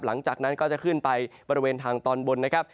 หลังจากนั้นก็จะขึ้นไปบริเวณทางตอนบนนะครับ